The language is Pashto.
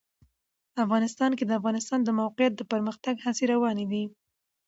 افغانستان کې د د افغانستان د موقعیت د پرمختګ هڅې روانې دي.